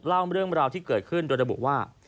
เล่าเรื่องราวที่เกิดขึ้นโดยระบุว่า